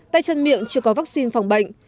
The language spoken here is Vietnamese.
tay chân miệng chưa có vaccine phòng bệnh